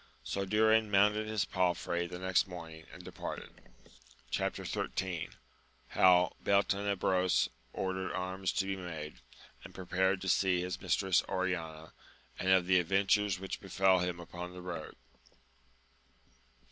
So Durin mounted his palfrey the next morning and departed. Chap. XIII. — ^How Beltenebros ordered arms to be made, and prepared to see his Mistress Oriana, and of the adyentures which befel him upon the road.